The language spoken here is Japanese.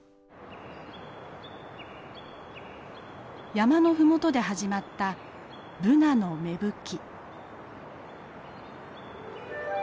山の麓で始まったブナの芽吹き。